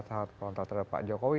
sangat kontra terhadap pak jokowi